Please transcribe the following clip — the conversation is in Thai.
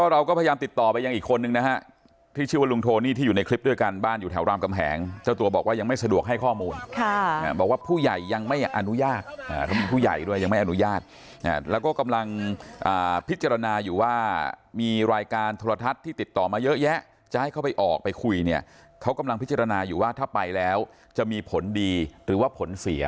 เราก็พยายามติดต่อไปยังอีกคนนึงนะฮะที่ชื่อว่าลุงโทนี่ที่อยู่ในคลิปด้วยกันบ้านอยู่แถวรามกำแหงเจ้าตัวบอกว่ายังไม่สะดวกให้ข้อมูลบอกว่าผู้ใหญ่ยังไม่อนุญาตเขามีผู้ใหญ่ด้วยยังไม่อนุญาตแล้วก็กำลังพิจารณาอยู่ว่ามีรายการโทรทัศน์ที่ติดต่อมาเยอะแยะจะให้เขาไปออกไปคุยเนี่ยเขากำลังพิจารณาอยู่ว่าถ้าไปแล้วจะมีผลดีหรือว่าผลเสีย